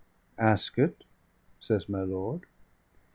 "Ask it," says my lord.